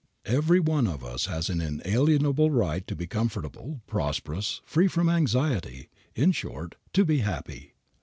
Every one of us has an inalienable right to be comfortable, prosperous, free from anxiety, in short to be happy.